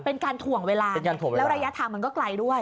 เป็นการถ่วงเวลาแล้วระยะทางมันก็ไกลด้วย